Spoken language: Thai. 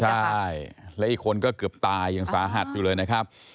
ใช่แล้วอีกคนก็เกือบตายสาหัส